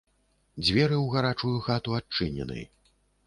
Дзверы ў гарачую хату адчынены.